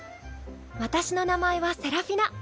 私の名前はセラフィナ。